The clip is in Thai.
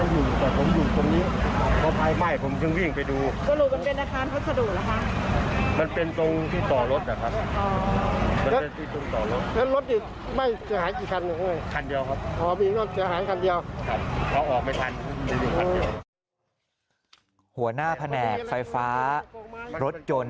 แห่งแห่งไฟฟ้ารถจน